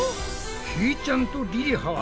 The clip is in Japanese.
ひーちゃんとりりはは